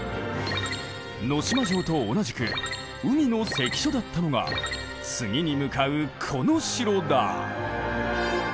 能島城と同じく海の関所だったのが次に向かうこの城だ。